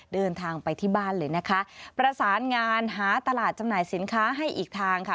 เดินทางไปที่บ้านเลยนะคะประสานงานหาตลาดจำหน่ายสินค้าให้อีกทางค่ะ